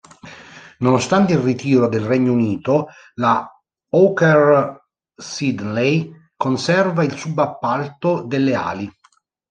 Nonostante il ritiro del Regno Unito, la Hawker Siddeley conserva il subappalto delle ali.